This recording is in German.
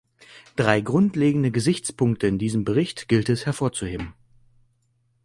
Drei grundlegende Gesichtspunkte in diesem Bericht gilt es hervorzuheben.